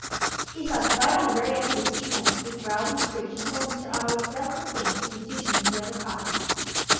He stopped right on the very edge of the steep bank, where he growled and screeched and told Mr. Otter what dreadful things he would do to him if ever he caught him.